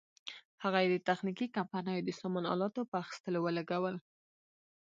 هغه یې د تخنیکي کمپنیو د سامان الاتو په اخیستلو ولګول.